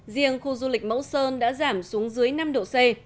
riêng khu du lịch mẫu sơn đã giảm xuống dưới năm độ c